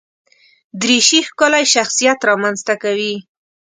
دریشي ښکلی شخصیت رامنځته کوي.